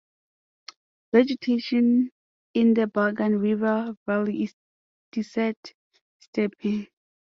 Vegetation in the Bulgan River Valley is desert steppe.